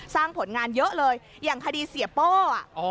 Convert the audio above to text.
ผลงานเยอะเลยอย่างคดีเสียโป้อ่ะ